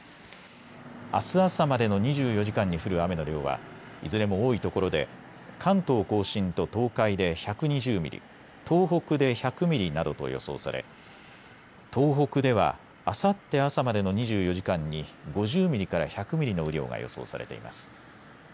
あす朝までの２４時間に降る雨の量はいずれも多いところで関東甲信と東海で１２０ミリ、東北で１００ミリなどと予想され東北ではあさって朝までの２４時間に５０ミリから１００ミリの雨量が予想されています。